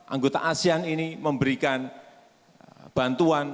anggota asean ini memberikan bantuan